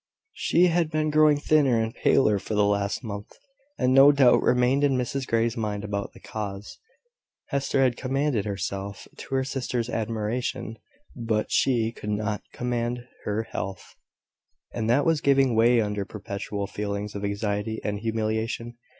She had been growing thinner and paler for the last month, and no doubt remained in Mrs Grey's mind about the cause. Hester had commanded herself, to her sister's admiration; but she could not command her health, and that was giving way under perpetual feelings of anxiety and humiliation.